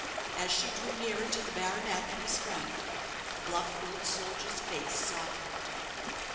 As she drew nearer to the baronet and his friend, the bluff old soldier's face softened.